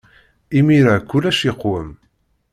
Imir-a, kullec yeqwem.